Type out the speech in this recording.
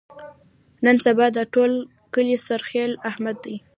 نن سبا د ټول کلي سرخیل احمد دی.